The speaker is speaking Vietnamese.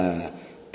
để đảm bảo chúng ta